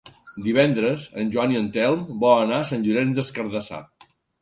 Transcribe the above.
Divendres en Joan i en Telm volen anar a Sant Llorenç des Cardassar.